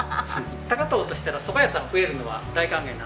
高遠としては蕎麦屋さん増えるのは大歓迎なんで。